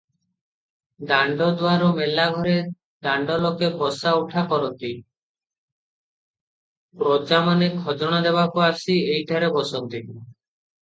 ଦାଣ୍ଡଦୁଆର ମେଲାଘରେ ଦାଣ୍ଡଲୋକେ ବସା ଉଠା କରନ୍ତି, ପ୍ରଜାମାନେ ଖଜଣା ଦେବାକୁ ଆସି ଏହିଠାରେ ବସନ୍ତି ।